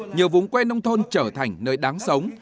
nhờ vùng quê nông thôn trở thành nơi đáng sống